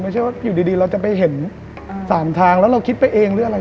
ไม่ใช่ว่าอยู่ดีเราจะไปเห็นสามทางแล้วเราคิดไปเองหรืออะไร